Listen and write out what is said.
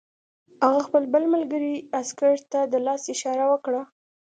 هغه خپل بل ملګري عسکر ته د لاس اشاره وکړه